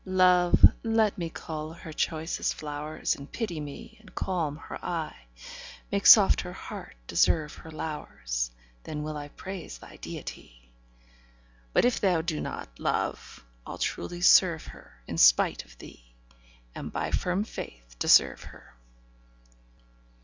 Love, let me cull her choicest flowers, And pity me, and calm her eye; Make soft her heart, dissolve her lowers, Then will I praise thy deity, But if thou do not, Love, I'll truly serve her In spite of thee, and by firm faith deserve her.